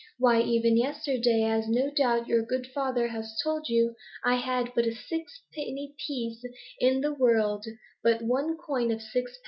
Why, even yesterday, as no doubt your good father has told you, I had but a sixpenny piece in the world, but one coin of sixpence.